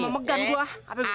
bukan memegang gue